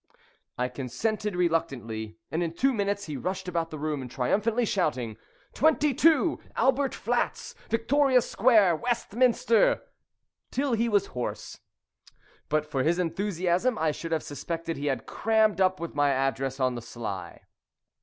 I consented reluctantly, and in two minutes he rushed about the room triumphantly shouting, "22, Albert Flats, Victoria Square, Westminster," till he was hoarse. But for his enthusiasm I should have suspected he had crammed up my address on the sly.